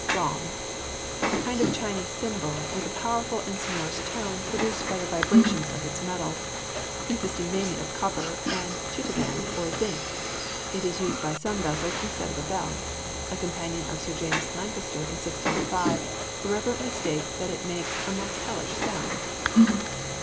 GONG. A kind of Chinese cymbal, with a powerful and sonorous tone produced by the vibrations of its metal, consisting mainly of copper and tutenag or zinc; it is used by some vessels instead of a bell. A companion of Sir James Lancaster in 1605 irreverently states that it makes "a most hellish sound."